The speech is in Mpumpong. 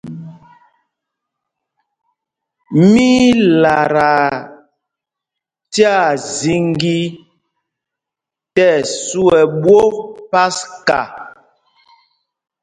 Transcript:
Mí í lataa tyaa zīŋgī tí ɛsu ɛ ɓwok paska.